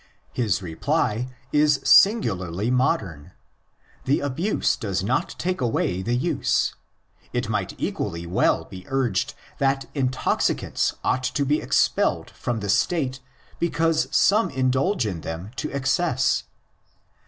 His reply is singularly modern. The abuse does not take away the use: if might equally well be urged that intoxicants ought to be expelled from the State because some indulge in them to excess.